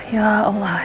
ya allah tuhan